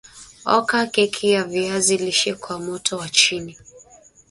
oka keki ya viazi lishe kwa moto wa chini